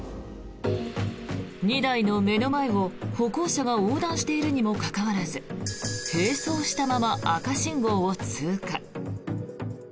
２台の目の前を歩行者が横断しているにもかかわらず並走したまま赤信号を通過。